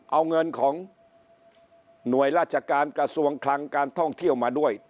เอาเงินของหน่วยราชการกระทรวงคลังการท่องเที่ยวมาด้วย